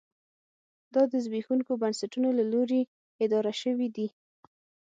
دا د زبېښونکو بنسټونو له لوري اداره شوې دي.